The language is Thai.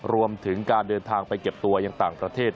รวมถึงการเดินทางไปเก็บตัวอย่างต่างประเทศ